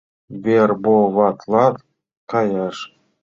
Вербоватлалт каяш...